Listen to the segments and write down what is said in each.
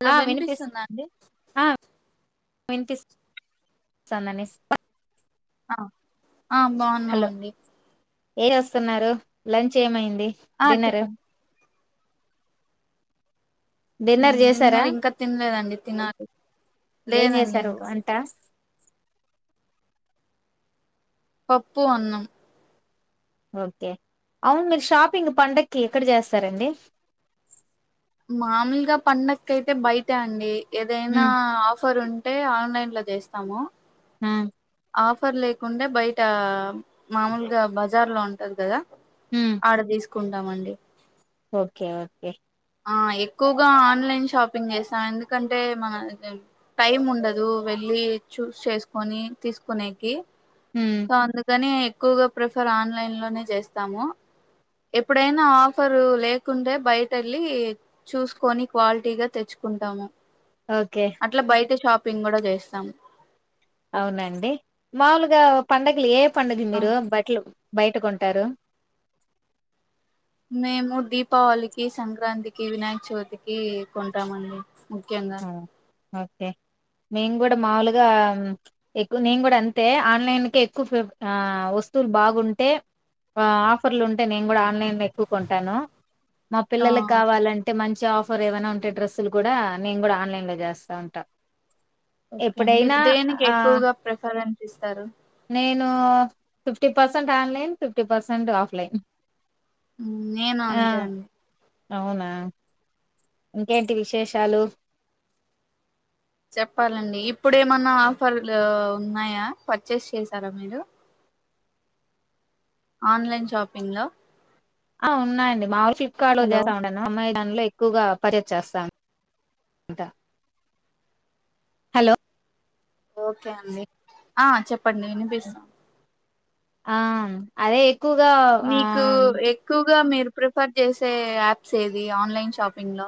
Hello ఆ వినిపిస్తుందండి మంతనే [inaudible] ఆ ఆ బావున్నామండి ఏ వస్తున్నారు? లంచ్ ఏమైంది? ఆ డి డిన్నరు చెప్పండి డిన్నర్ చేసారా తిన్నది ఇంకా తినలేదండి తినాలి ఏం లేదండి చేసారు ఇంకా వంట పప్పు, అన్నం ఓకే అవును మీరు షాపింగ్ పండక్కి ఎక్కడ చేస్తారండి మామూలుగా పండక్కి అయితే బయటే అండి ఏదైనా ఉమ్ ఆఫర్ ఉన్ అంటే ఆన్లైన్ లో చేస్తాము హ ఆఫర్ లేకుంటే బయట మామూలుగా బజార్ లో ఉంటది కదా ఉమ్ అడ తీసుకు కొంటామండి ఓకే ఓకే ఆ ఎక్కువగా ఆన్లైన్ షాపింగ్ చేసాను ఎందుకంటే మన టైం ఉండదు వెళ్ళి చూస్ చేసుకొని తీసుకునేకి ఉమ్ సో అందుకని ఎక్కువగా ప్రిఫర్ ఆన్లైన్ లోనే చేస్తాము ఎప్పుడైనా ఆఫరు లేకుంటే బయట వెళ్ళి చూసుకొని క్వాలిటీగా తెచ్చుకుంటాము ఓకే అట్లా బయట షాప్ పింగ్ కూడా చేస్తాం అవునండి మాములుగా పండడుగలు ఏవ్ పండుగకి ఆ మీరు బట్టలు బయట కొంటారు మేము దీపావళికి, సంక్రాంతికి, వినాయక చవితికి కొంటామండి ముఖ్యంగా ఆ ఓకే మేము కూడా మాముూలుగా ఎక్కువ నేను కూడా అంతే ఆన్లైన్క్ ఎక్కువ వస్తువులు బాగుంటే ఆఫర్లు ఉంటా అందుకే నేను కూడా ఆన్లై ఎక్కుకొంటాను మా ఆ పిల్లలు కావాలంటే మంచి మంచి ఆఫర్ ఏమైనా ఉంటే డ్రస్సు లు కూడా నేను కూడా ఆన్లైన్ లో చేస్తా ఉంటా ఓకే మీరు ఎప్పుడైనా దేనికి ఆ ఎక్కువగా ప్రసారం ఇస్తారు నేను fifty percent online fifty percent offline నేను ఆ అంతే అండి అవునా ఇంకేంటి విశేషాలు చెప్పాలండి ఇప్పుడు ఏమైన్నా ఆఫర్లు ఉన్నాయా పర్చేస్ చేసారా మీరు ఆన్లైన్ షాపింగ్ లో ఆ ఉన్నాయండి మా ఫ్లిప్కార్ట్ లో హలో చేసాను నేను [unintelligible] హలో ఓకే అండి ఆ చెప్ప పండిన బెస్ ఆమ్ అదే ఎక్కువగా ఆ నీకు ఎక్కువగా మీరు ప్రిఫర్ చేసే యాప్స్ ఏది ఆన్లైన్ షాపింగ్ లో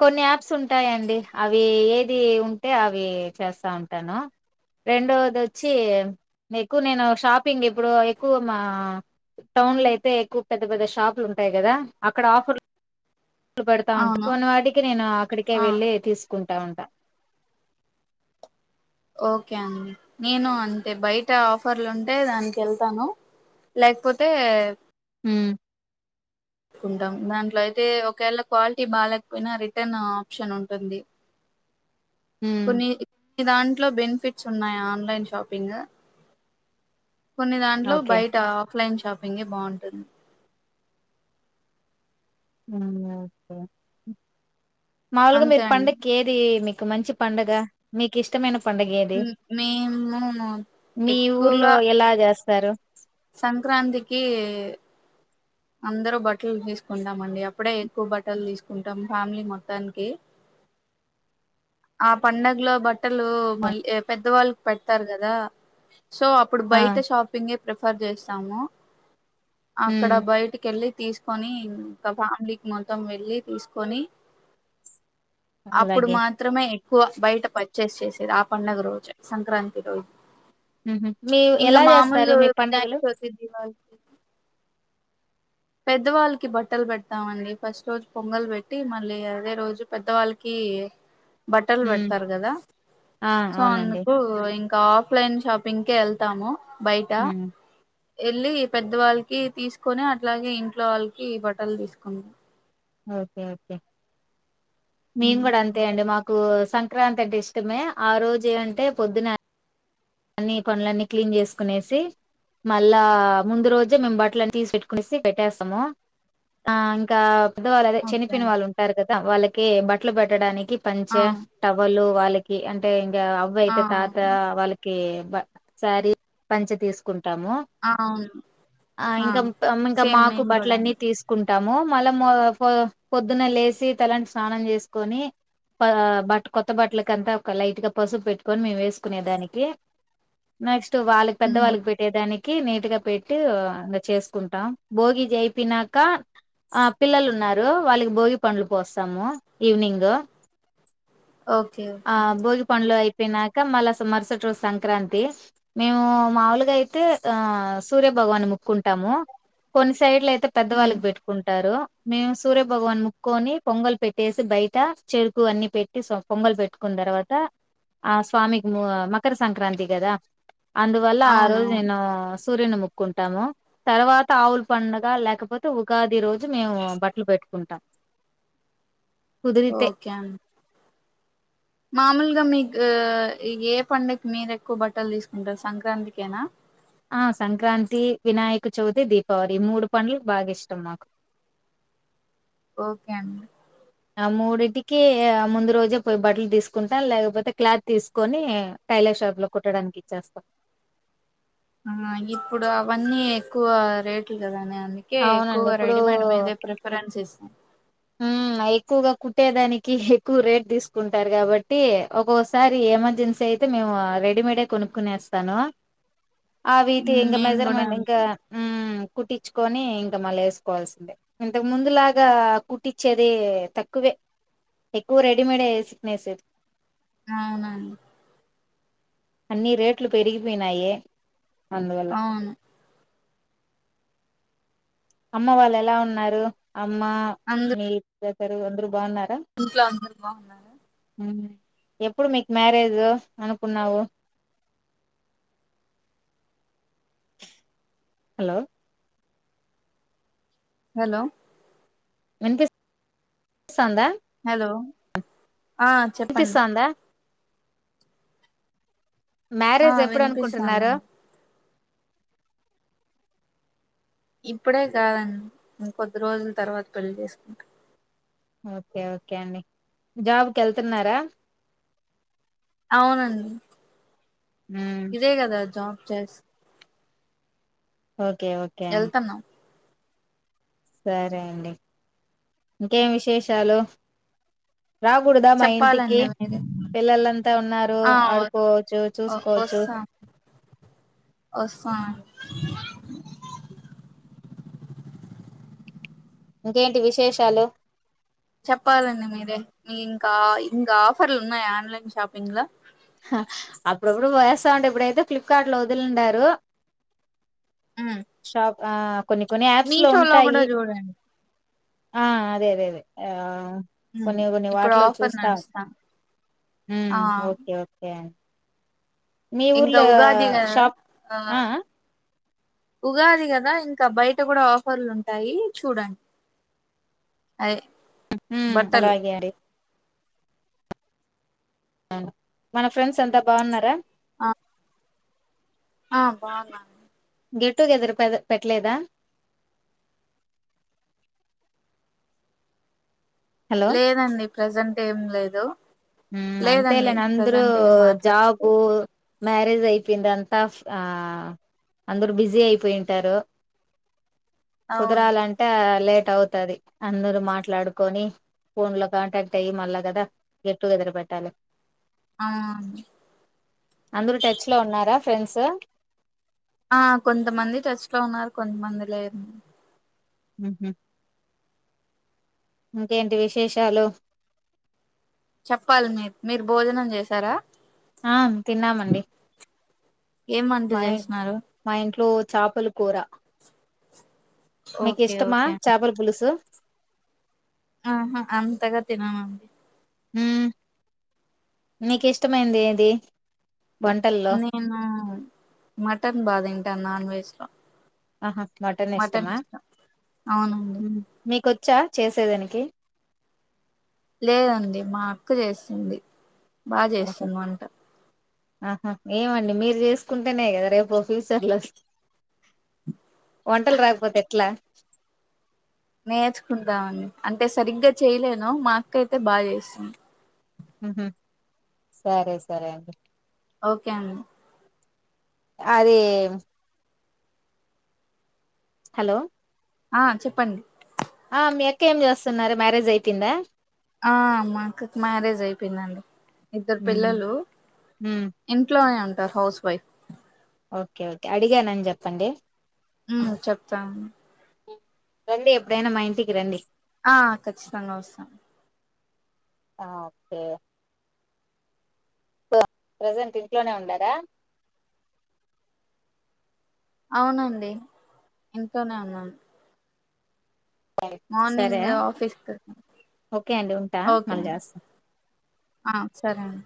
కొన్ని యాప్స్ ఉంటాయండి అవి ఏది ఉంటే అవి చేస్తా ఉంటాను రెండవది వచ్చి మీకు నేను షాపింగ్ ఇప్పుడు ఎక్కువ మా టౌన్లో అయితే ఎక్కువ పెద్ద పెద్ద షాపులు ఉంటాయి కదా అక్కడ ఆఫర్లు లు పెడతా ఉంటే అవును కొన్ని వాటి అక్కడికి నేను అక్కడికే ఆ వెళ్ళి తీసుకుం ట్టా ఉంట ఓకే అండి నేను అంటే బయట ఆఫర్లు ఉంటే దానికి వెళ్తాను లేకపోతే ఉమ్ కుంటాం దాంట్లో అయితే ఒకవేళ క్వాలిటీ బాలేకపోయినా రిటర్న్ ఆప్షన్ ఉంటుంది ఉమ్ కొన్ని కొన్ని దాంట్లో బెనిఫిట్ ఉన్నాయి ఆన్లైన్ షాపింగ్ కొన్ని దాంట్లో ఓకే బయట ఆఫ్లైన్ షాపింగే బాగుంటుంది ఉమ్ ఓకే మాముూలుగా అంతే మీరు అండి పండక్కి ఏది మీకు ఓ మంచి పండగ మీకు ఇష్టమైన పండగ ఏది మేము ఎక్కువగా సారు సంక్రాంతికి అందరూ బట్టలు తీసుకుంటాం అండి అప్పుడే ఎక్కువ బట్టలు తీసుకుంటాం ఫ్యామిలీ మొత్తానికి ఆ పండగలో బట్టలు మళ్ళీ పెద్దవాళ్ళకి పెడతారు కదా సో అప్పుడు ఆ బయట షాపింగే ప్రిఫర్ చేస్తాము అక్కడ ఉమ్ బయట వెళ్ళి తీసుకొని ఇంకా ఫ్యామిలీకి మొత్తం వెళ్ళి తీసుకొని అప్పుడు అలాగే మాత్రమే వ బయట పర్చేస్ చేసేది ఆ పండుగ రోజు సంక్రాంతి రోజు. ఊహ మీ ఇంకా ఎలా చేస్తారు మామూలు మీ వినాయక పండగలు చవితి దీపావళికి పెద్దవాళ్ళకి బట్టలు పెడతామండి. ఫస్ట్ రోజు పొంగల్ పెట్టి మళ్ళీ అదే రోజు పెద్దవాళ్ళకి బట్టలు ఉమ్ పెడతారు కదా ఆ సో అవునండి అందుకు ఇం ఆఫ్లైన్ షాపింగ్ కే వెళ్తాము. బయటా ఉమ్ వెళ్ళి పెద్దవాళ్ళకి తీసుకొని అట్లాగే ఇంట్లో వాళ్ళకి బట్టలు తీసుకుంట ఓకే ఓకే మేము కూడా అంతే అండి మాకు సంక సంక్రాంతి అంటే ఇష్టమే ఆ రోజే అంటే పొద్దున అన్ని పనులన్నీ క్లీన్ చేసుకునేసి మళ్ళా ముందు రోజే మేము బట్టలన్నీ తీసి పెట్టుకునేసి పెట్టేస్తాము ఆ ఇంకా పెద్ద వాళ్ళ అదే ఓకే చనిపోయిన అండి వాళ్ళుంటారు కదా. త వాళ్ళకి బట్టలు పెట్టడానికి. ఆ పంచే, టవలు వాలికి కి అంటే ఇక అవ్వ ఆ అయితే తాత వాళ్ళకి కివా సారి పంచి తీసుకుంట టాము ఆ అవును ఆ ఇంక ఇంక సేమ్ మాకు మేము కూడా బట్టలన్ని అండి. తీసుకుం టాము మళ్ళ పొద్దున లేసి తలాంటి స్నానం చేసుకొని బ బట్ట కొత్త బట్టలకంతా ఒక లైట్ గా పసుపు పెట్టుకని మేము వేసుకునే దానికి ఓకే నెక్స్ట్ తో వాళ్ళకి పెద్ద ఉమ్, వాళ్ళకి పెట్టేదానికి కి నీట్ గా పెట్టి ఇ చేసుకుంటాం. భోగి అయిపోనాక ఆ పిల్లలు ఉన్నారు వాళ్ళకి భోగి పండ్లు పోస్తాము ఈవినింగ్. ఓకే ఆ ఓకే బోగి పండ్లోయిపో నక మళ్ళ మరుసటి రోజు సంక్రాంతి. మేము మాముూలుగా అయితే ఆ సూర్యభగవాన్ ముక్కుంటాము కొన్ని సైడ్లు అయితే అయితే ఉమ్, పెద్దవాళ్ళకి పెట్టుకుంటారు. మేము సూర్యభగవాన్ మొక్కొని పొంగల్ పెట్టేసి బయట చెరుకు అన్ని పెట్టి పొంగల్ పెట్టు కున్న తర్వాత ఆ స్వామికి ము మకర సంక్రాంతి కదా. అందువల్ల ఆ రోజు అవునవును నేను సూర్యుని ముక్కుంటాము. తర్వాత ఆవులు పండగ లేకపోతే ఉగాది రోజు మేము బట్టలు పెట్టుకుంటాం. కుదిరితే ఓకే అన్ మామూలుగా మీకు ఏ పండగ మీరు ఎక్కువ బట్టలు తీసుకుంటారు సంక్రాంతికేనా ఆ సంక్రాంతి, వినాయక చవితి, దీపావళి ఈ మూడు పండగలు బాగా ఇష్టం నాకు. ఓకే అండి ఆ మూడింటికి ముందు రోజే పోయి బట్టలు తీసుకుంటా. లేకపోతే క్లాత్ తీసుకొని టైలర్ షాప్ లో కుట్టడానికి ఇచ్చేస్తాం. ఆ ఇప్పుడు అవన్నీ ఎక్కువ రేట్లు గదానే అందుకే అవునండి ఎక్కువగా ఇప్పుడు రెడీమేడ్ మీదే ప్రిఫరెన్స్ ఇస్తాం. ఆ ఎక్కువగా కుట్టేదానికి ఎక్కువ రేట్ తీసుకుంటారు కాబట్టి ఒక్కొసారి ఎమర్జెన్సీ అయితే మేము రెడీమేడే కొనుక్కునేస్తాను ఆ వీట్ ఉమ్, ఎంగ నేను కూడా మెజర్మెంట్ ఇంకా అంతే ఉమ్ కుట్టించుకొని ఇంకా మళ్ళ వేసుకోవాల్సిందే ఇంతకు ముందులాగా కుట్ కుట్ పట్టిచ్చేది తక్కువే ఎక్కువ రెడీమేడ్యేసిక్న్ వేసేది అవునా అన్నీ రేట్లు పెరిగిపోయినాయే అవును అమ్మ వాళ్ళు ఎలా ఉన్నారు అమ్మా అందరు మీ [inaudible] అందరూ ఇంట్లో అందరూ బాగున్నారా ఎప్పుడు మీకు మ్యారేజ్ అనుకున్నావు హలో హలో వినిపి [inaudible] స్తంధా హలో ఆ చెప్పండి వినిపిస్తుందా ఆ మ్యారేజ్ ఎప్పుడు అనుకుంటున్నారు వినిపిస్తానండి ఇప్పుడే కాదండి ఇంకొద్ది రోజుల తర్వాత పెళ్లి చేసుకుంటా ఓకే ఓకే అండి జాబ్ కెళ్తున్నారా అవునండి ఉమ్, ఇదే గదా జాబ్ చేస్ ఓకే ఓకే అండి వెళ్తున్నాం సరే అండి ఇంకేం విశేషాలు రాకూడదా మా ఇంటికి చెప్పాలండి మీరే పిల్లలంతా ఉన్నారు ఆ ఆడుకోవచ్చు, చూసుకోవచ్చు. ఓస్తాం ఇంకేంటి విశేషాలు చెప్పాలండి మీరే మీ ఇంకా ఇంగా ఆఫర్లు ఉన్నాయా ఆన్లైన్ షాపింగ్ లో హా అప్పుడప్పుడు పోయిస్తాఉంటా ఇప్పుడైతే ఫ్లిప్కార్ట్ లో వదిలిండారు ఉమ్. షాప్ ఆ కొన్ని కొన్ని యాప్స్ లో మీషోలో కూడా ఉంటాయి చూడండి ఆ అదే అదే అదే ఆ మ్మ్ కొన్ని కొన్ని ఇప్పుడు వాటిలో ఆఫర్ చూస్తా నడుస్తాం ఆ టాన్ మీ ఊర్ల ఇంకా ఉగాది కదా షాప్ ఆ ఆహ్ ఉగాది కదా ఇంక బయట కూడా ఆఫర్లు ఉంటాయి చూడండి అదే బట్టలు అలాగే అడి మన ఫ్రెండ్స్ అంత బాగున్నారా ఆ ఆ బాగా గెట్ టుగెదర్ పె పెట్టలేదా హలో లేదండి ప్రజెంట్ ఏం లేదు మ్ అంతేలే లేదండి ఆంద్రు ప్రజెంట్ ఏం జాబు మాట్లాడుకోలేదు మ్యారేజ్ అయిపోయిందంట ఆ అందరు బిజీ అయిపోయింటారు అవును కుదరాలంటే లేట్ అవుతది అందరుూ మాట్లాడుకొని ఫోన్ లో కాంటాక్ట్ అయ్యి మళ్ళ కదా గెట్ టుగెదర్ పెట్టాలి ఆ అందరు టచ్ లో ఉన్నారా ఫ్రెండ్స్ ఆ కొంతమంది టచ్ లో ఉన్నారు కొంతమంది లేరు మ్మ్ ఇంకేంటి విశేషాలు చెప్పాలి మీ మీరు భోజనం చేసారా ఆ తిన్నామండి ఏం వంట మా చేసినారు మా ఇంట్లో చాపలు కూర మీకు ఓకే ఇష్టమా ఓకే అండి చాపల్ పులుసు ఆహా అంతగా తినమండి మ్మ్ నీకు ఇష్టమైంది ఏది వంటల్లో నేను మటన్ బాగా తింటాను నాన్ వెజ్ లో ఆహా మటన్ ఇష్టమా అవునండి మీకు వచ్చా చేసేదానికి లేదండి మా అక్క చేసింది బాగా ఓహో చేస్తుంద అంట ఆహా ఏమండి మీరు చేసుకుంటేనే కదా రేపు ఫ్యూచర్ లో వంటలు రాకపోతే ఎట్లా నేర్చుకుంటామండి అంటే సరిగ్గా చేయలేను మా అక్క అయితే బాగా చేస్తుంది సరే సరే అండి. ఓకే అండి అదే హలో ఆ చెప్పండి ఆ మీ అక్క ఏం చేస్తున్నారు మ్యారేజ్ అయిపోయిందా ఆ మాక్కుకు మ్యారేజ్ అయిపోయిందండి ఇద్దరు ఉమ్ పిల్లలు ఉమ్, ఇంట్లోనే ఉంట త హౌస్ వైఫ్ ఓకే ఓకే అడిగానని చెప్పండి ఉమ్ చెప్తాను రండి ఎప్పుడనా మా ఇంటికి రండి ఆ ఖచ్చితంగా వస్తాం ఆ ఓకే ప్రజెంట్ ఇంట్లోనే ఉండారా అవునండి ఇంట్లోనే ఉన్నాను సరే మార్నింగ్ ఆఫీస్ ఓకే అండి ఉంటా ఓకే మళ్ళీ అండి చేస్తా ఆహ్ సరే అండి